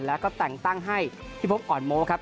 แล้วก็แต่งตั้งให้พิพบอ่อนโม้ครับ